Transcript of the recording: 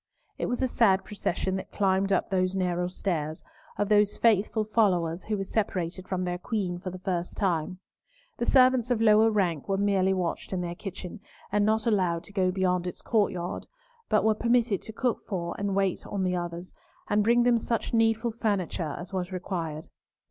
It was a sad procession that climbed up those narrow stairs, of those faithful followers who were separated from their Queen for the first time. The servants of lower rank were merely watched in their kitchen, and not allowed to go beyond its courtyard, but were permitted to cook for and wait on the others, and bring them such needful furniture as was required.